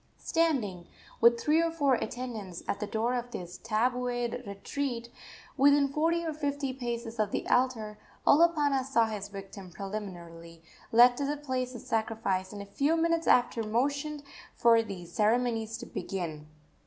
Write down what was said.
Standing, with three or four attendants, at the door of his tabued retreat, within forty or fifty paces of the altar, Olopana saw his victim preliminarily led to the place of sacrifice, and a few minutes after motioned for the ceremonies to begin.